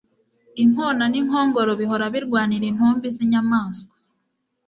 inkona n'inkongoro bihora birwanira intumbi z'inyamaswa